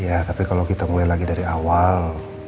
ya tapi kalau kita mulai lagi dari awal